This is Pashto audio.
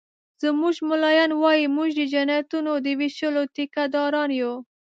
زموږ ملایان وایي مونږ د جنتونو د ویشلو ټيکه داران یو